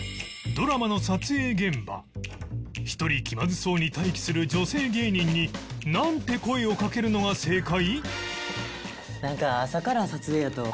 ドラマの撮影現場一人気まずそうに待機する女性芸人になんて声をかけるのが正解？